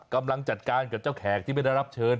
กำลังจัดการกับเจ้าแขกที่ไม่ได้รับเชิญ